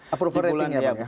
approval rating ya pak